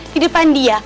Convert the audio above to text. di depan dia